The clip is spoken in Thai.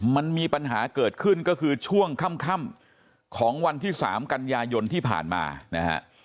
มันมีปัญหาเกิดขึ้นก็คือช่วงค่ำของวันที่๓กันยายนที่ผ่านมานะฮะ